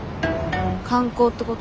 観光ってこと？